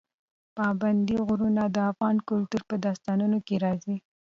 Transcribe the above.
پابندی غرونه د افغان کلتور په داستانونو کې راځي.